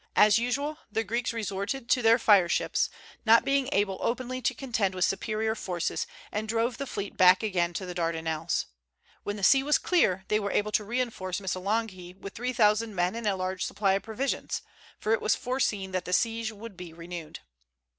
As usual the Greeks resorted to their fire ships, not being able openly to contend with superior forces, and drove the fleet back again to the Dardanelles. When the sea was clear, they were able to reinforce Missolonghi with three thousand men and a large supply of provisions; for it was foreseen that the siege would be renewed.